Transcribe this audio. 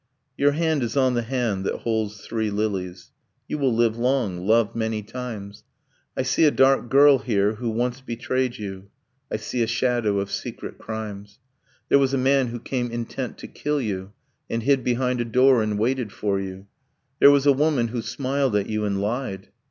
'Your hand is on the hand that holds three lilies. You will live long, love many times. I see a dark girl here who once betrayed you. I see a shadow of secret crimes. 'There was a man who came intent to kill you, And hid behind a door and waited for you; There was a woman who smiled at you and lied.